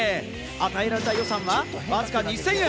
与えられた予算はわずか２０００円。